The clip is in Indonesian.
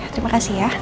terima kasih ya